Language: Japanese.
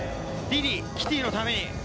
リリー、キティのために。